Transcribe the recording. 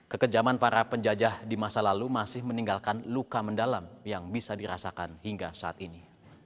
kekejaman para penjajah di masa lalu masih meninggalkan luka mendalam yang bisa dirasakan hingga saat ini